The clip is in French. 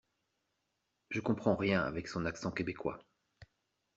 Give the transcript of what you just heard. Je comprends rien avec son accent québecois.